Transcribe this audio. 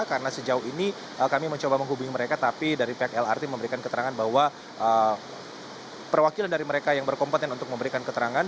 karena sejauh ini kami mencoba menghubungi mereka tapi dari pihak lrt memberikan keterangan bahwa perwakilan dari mereka yang berkompeten untuk memberikan keterangan